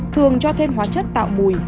thường cho thêm hóa chất tạo mùi